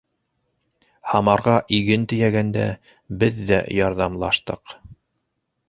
— Һамарға иген тейәгәндә, беҙ ҙә ярҙамлаштыҡ.